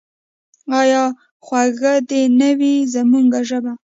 آیا خوږه دې نه وي زموږ ژبه؟